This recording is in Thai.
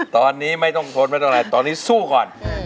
ตอนนี้ไม่ต้องทนไม่ต้องอะไรตอนนี้สู้ก่อน